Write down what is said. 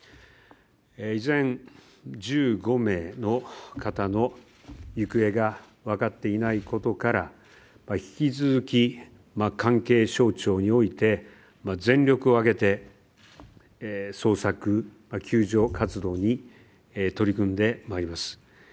依然１５名の方の行方が分かっていないことから引き続き関係省庁において、全力を挙げて捜索、救助活動に取り組んでまいります。